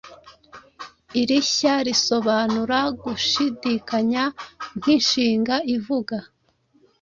Irishya isobanura "gushidikanya" nk’inshinga ivuga "